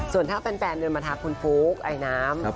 ส่วนถ้าแฟนเดินมาทักคุณฟุ๊กไอน้ำ